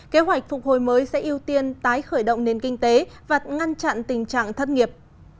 kế hoạch phục hồi mới sẽ ưu tiên tái khởi động nền kinh tế và ngăn chặn tình trạng thất nghiệp